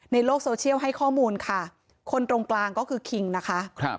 ในโลกโซเชียลให้ข้อมูลค่ะคนตรงกลางก็คือคิงนะคะ